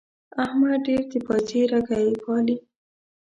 احمد ډېر د پايڅې رګی پالي.